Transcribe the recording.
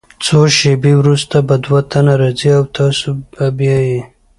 څو شیبې وروسته به دوه تنه راځي او تاسو بیایي.